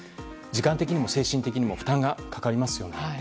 時間的にも精神的にも負担がかかりますよね。